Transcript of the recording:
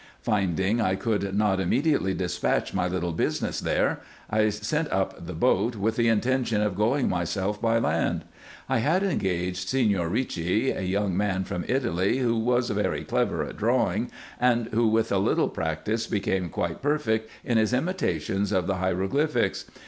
Finding I could not immediately despatch my little business there, I sent up the boat, with the intention of going myself by land. I had engaged Signor Kicci, a young man from. Italy, who was very clever at drawing, and who with a little practice became quite perfect in his imitations of the hieroglyphics.